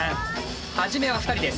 初めは２人です。